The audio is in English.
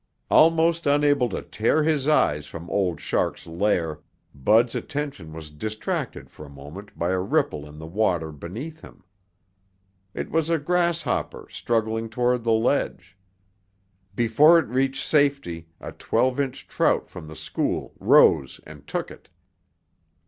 Almost unable to tear his eyes from Old Shark's lair, Bud's attention was distracted for a moment by a ripple in the water beneath him. It was a grasshopper struggling toward the ledge; before it reached safety, a twelve inch trout from the school rose and took it.